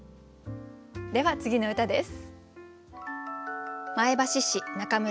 では次の歌です。